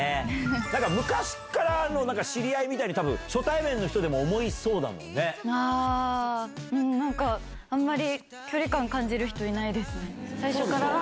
なんか、昔からの知り合いみたいに、たぶん、初対面の人でも思いそうなんか、あんまり距離感感じる人いないですね。